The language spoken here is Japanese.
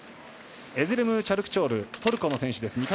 エズレム・チャルクチョールトルコの選手です。